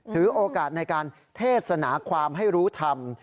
ถือโอกาสในการเทศนาความให้รู้ธรรม